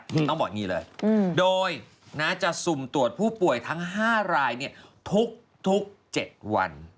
ต้องบอกอย่างนี้เลยโดยจะสุ่มตรวจผู้ป่วยทั้ง๕รายทุก๗วัน